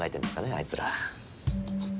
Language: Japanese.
あいつら。